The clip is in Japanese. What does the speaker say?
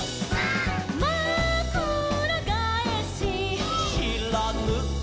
「まくらがえし」「」「しらぬい」「」